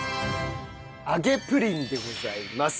揚げプリンでございます。